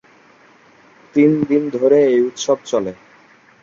তিন দিন ধরে এই উৎসব চলে।